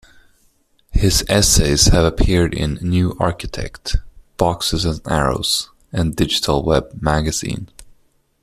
His essays have appeared in "New Architect", "Boxes and Arrows", and "Digital Web Magazine".